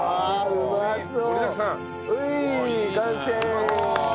うまそう！